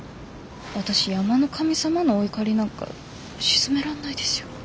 私山の神様のお怒りなんか鎮めらんないですよ？